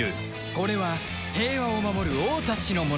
これは平和を守る王たちの物語